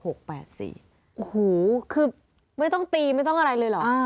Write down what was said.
โอ้โหคือไม่ต้องตีไม่ต้องอะไรเลยเหรอ